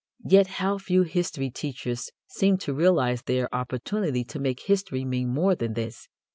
Yet how few history teachers seem to realize their opportunity to make history mean more than this.